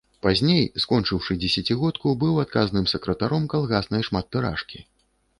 Пазней, скончыўшы дзесяцігодку, быў адказным сакратаром калгаснай шматтыражкі.